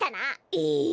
ええ？